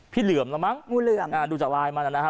พี่เหลื่อมแล้วมั้งงูเหลื่อมอ่าดูจากลายมาแล้วนะฮะ